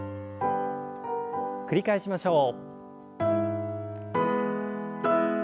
繰り返しましょう。